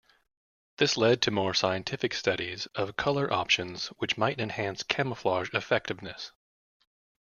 This led to more scientific studies of colour options which might enhance camouflage effectiveness.